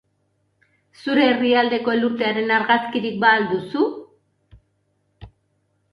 Zure herrialdeko elurtearen argazkirik al duzu?